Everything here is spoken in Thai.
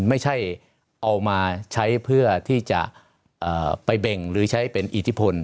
ไม่ใช่เอามาใช้เพื่อที่จะไปเบ่งหรือใช้เป็นอิทธิพล